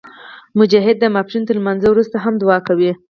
مجاهد د ماسپښین تر لمونځه وروسته هم دعا کوي.